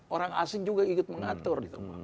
orang asing juga ikut mengatur gitu